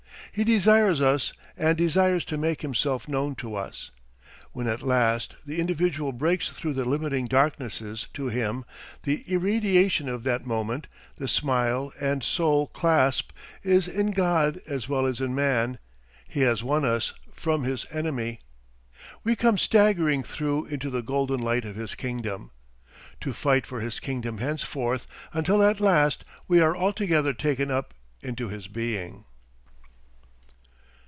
He desires us and desires to make himself known to us. When at last the individual breaks through the limiting darknesses to him, the irradiation of that moment, the smile and soul clasp, is in God as well as in man. He has won us from his enemy. We come staggering through into the golden light of his kingdom, to fight for his kingdom henceforth, until at last we are altogether taken up into his being.